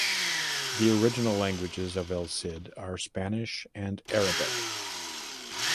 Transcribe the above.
The original languages of "El Cid" are Spanish and Arabic.